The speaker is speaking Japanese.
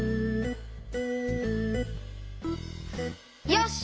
よし！